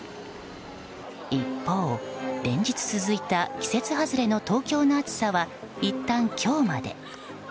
一方、連日続いた季節外れの東京の暑さはいったん今日まで。